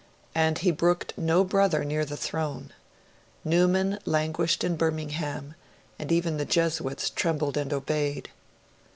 And he brooked no brother near the throne: Newman languished in Birmingham; and even the Jesuits trembled and obeyed.